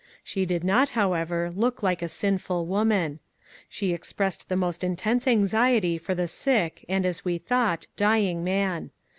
She did not, however, look like a sinful woman. She expressed the most intense anxiety for the sick, and, as we thought, dying man.